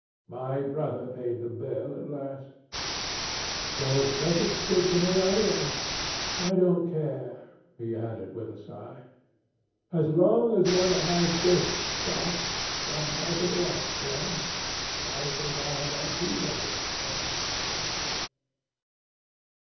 My brother paid the bill at last. George doesn't speak to me either.... I don't care," he added with a sigh. "As long as one has this stuff, one doesn't want friends. I think I have had too many friends."